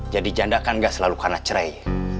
jadi janda kan nggak selalu karena cerai